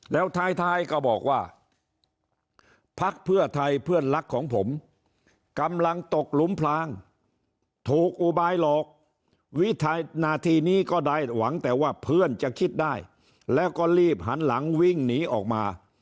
แล้วท้ายก็บอกว่าพักเพื่อไทยเพื่อนรักของผมกำลังตกหลุมพลางถูกอุบายหลอกวิทัยนาทีนี้ก็ได้หวังแต่ว่าเพื่อนจะคิดได้แล้วก็รีบหันหลังวิ่งหนีออกมา